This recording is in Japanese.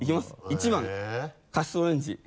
１番カシスオレンジ。